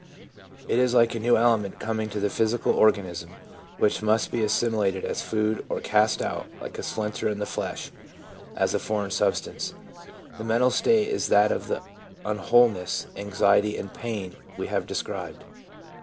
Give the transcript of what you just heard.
It is like a new element coming to the physical organism, which must be assimi lated as food, or cast out, like a splinter in the flesh, as a foreign substance. The mental state is that of the unwholeness, anxiety and pain we have described.